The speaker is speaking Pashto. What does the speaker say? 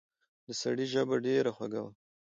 د سړي ژبه ډېره خوږه وه.